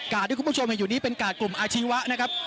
ที่คุณผู้ชมเห็นอยู่นี้เป็นกาดกลุ่มอาชีวะนะครับ